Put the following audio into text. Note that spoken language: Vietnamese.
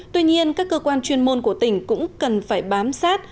tuy nhiên các cơ quan chuyên môn của tỉnh cũng cần phải bám sát